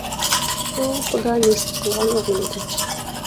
ئۇ خۇدا نېسىپ قىلغان ئوغلۇم ئىدى.